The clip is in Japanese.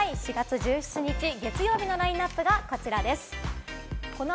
４月１７日月曜日のラインナップは、こちらです。